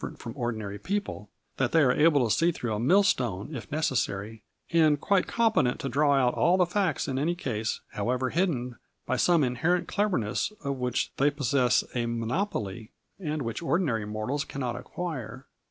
191 ent from ordinary people, that they were able to see through a mill stone if necessary, and quite competent to draw out all of the facts in any case, however hidden, by some inherent cleverness of which they possess a monopoly, and which ordinary mortals cannot acquire.